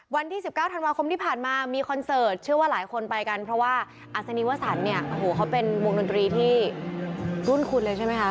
วันที่๑๙ธันวาคมที่ผ่านมามีคอนเสิร์ตเชื่อว่าหลายคนไปกันเพราะว่าอัศนีวสันเนี่ยโอ้โหเขาเป็นวงดนตรีที่รุ่นคุณเลยใช่ไหมคะ